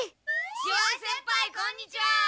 潮江先輩こんにちは！